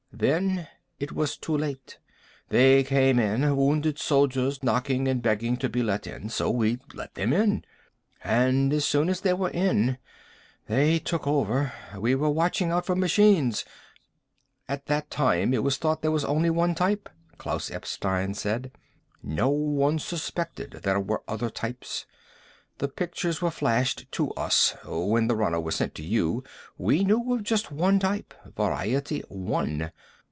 Then it was too late. They came in, wounded soldiers, knocking and begging to be let in. So we let them in. And as soon as they were in they took over. We were watching out for machines...." "At that time it was thought there was only the one type," Klaus Epstein said. "No one suspected there were other types. The pictures were flashed to us. When the runner was sent to you, we knew of just one type. Variety One.